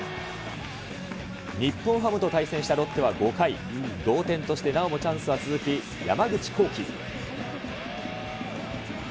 日本ハムと対戦したロッテは５回、同点としてなおもチャンスは続き、山口航輝。